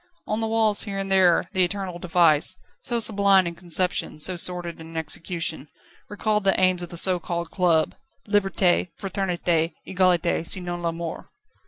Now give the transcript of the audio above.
On the walls here and there the eternal device, so sublime in conception, so sordid in execution, recalled the aims of the so called club: "Liberté, Fraternité, Egalité, sinon la Mort."